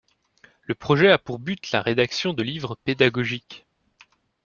Le projet a pour but la rédaction de livres pédagogiques.